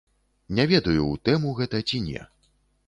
Не ведаю, у тэму гэта ці не.